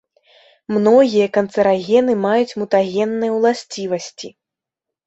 Многія канцэрагены маюць мутагенныя ўласцівасці.